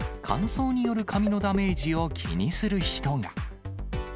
乾燥による髪のダメージを気にする人が。